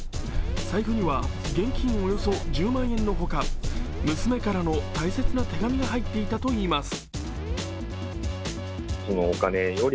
財布には現金およそ１０万円のほか娘からの大切な手紙が入っていたといいます。